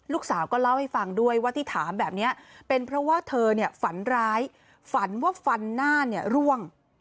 ลูกสาวก็เล่าให้ฟังด้วยว่าที่ถามแบบนี้เป็นเพราะว่าเธอฝันร้ายฝันว่าฟันหน้าเนี่ยร่วง